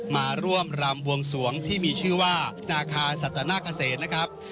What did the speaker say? มาร่วมรำบวงสวงที่มีชื่อว่านาคาสัตนาเกษมนะครับ